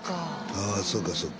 ああそうかそうか。